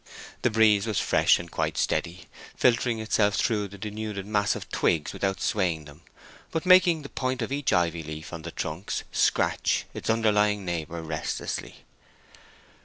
The breeze was fresh and quite steady, filtering itself through the denuded mass of twigs without swaying them, but making the point of each ivy leaf on the trunks scratch its underlying neighbor restlessly.